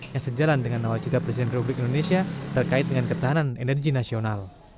yang sejalan dengan nawacita presiden republik indonesia terkait dengan ketahanan energi nasional